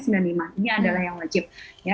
ini adalah yang wajib